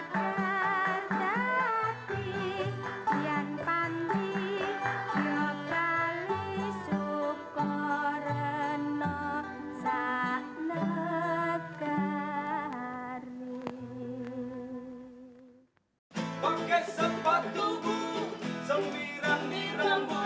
terdalam musik watching di local televisionableskan com